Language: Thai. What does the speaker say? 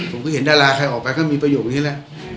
ผมก็เห็นดาราใครออกไปก็มีประโยคนี้แหละ